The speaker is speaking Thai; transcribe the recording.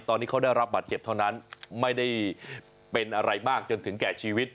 ตอนนี้เขาได้รับบาดเจ็บเท่านั้นไม่ได้เป็นอะไรมากจนถึงแก่ชีวิต